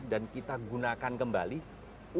dan kita gunakan kembali untuk menambahkan emisi gas